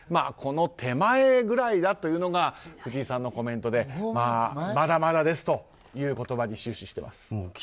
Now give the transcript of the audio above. この手前ぐらいだというのが藤井さんのコメントでまだまだですという言葉に終始してます。